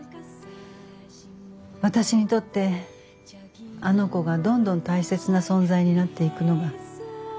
私にとってあの子がどんどん大切な存在になっていくのが。